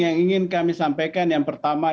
yang ingin kami sampaikan yang pertama